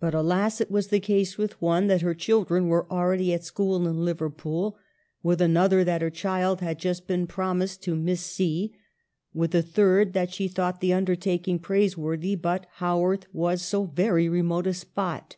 But, alas, it was the case with one, that her children were already at school in Liverpool, with another that her child had just been prom ised to Miss C, with a third that she thought the undertaking praiseworthy, but Haworth was so very remote a spot.